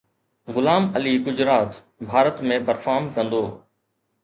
غلام Ali Gujarat, Bharat ۾ perform ڪندو